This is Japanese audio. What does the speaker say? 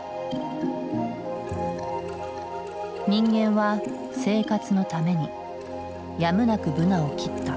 人間は生活のためにやむなくブナを切った。